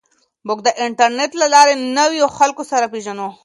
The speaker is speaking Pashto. موږ د انټرنیټ له لارې له نویو خلکو سره پېژنو.